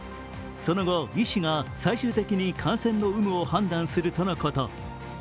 その後、医師が最終的に感染の有無を判断するとのこと。